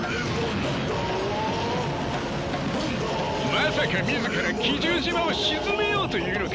まさか自ら奇獣島を沈めようというのか？